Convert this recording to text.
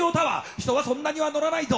人はそんなには乗らないぞ。